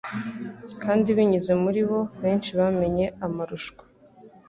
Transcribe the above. kandi binyuze muri bo benshi bamenye amarushwa